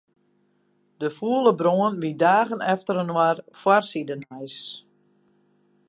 De fûle brân wie dagen efterinoar foarsidenijs.